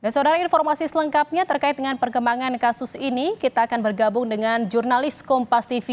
saudara informasi selengkapnya terkait dengan perkembangan kasus ini kita akan bergabung dengan jurnalis kompas tv